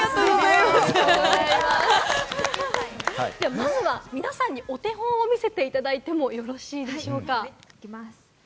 まずは皆さんにお手本を見せていただいてもよろしいでしょうか？